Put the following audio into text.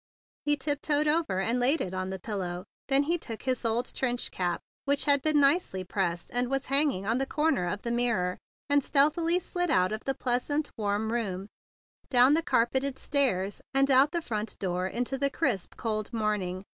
He tiptoed over, and laid it on the pillow; then he took his old trench cap, which had been nicely pressed and was hanging on the corner of the looking glass, and stealthily slid out of the pleasant, warm room, down the car¬ peted stairs, and out the front door into the crisp, cold morning.